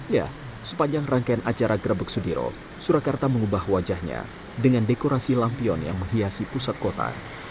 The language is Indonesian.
ya sepanjang rangkaian acara grebek sudiro surakarta mengubah wajahnya dengan dekorasi lampion yang menghiasi pusat kota